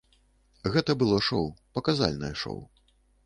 Гэта было шоу, паказальнае шоу.